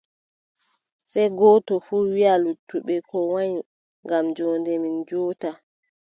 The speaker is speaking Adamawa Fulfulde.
Sey gooto fuu wiʼa luttuɓe ko wanyi ngam joonde meen juuta.